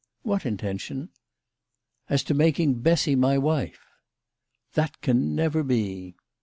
" What intention ?"" As to making Bessy my wife." "That can never be."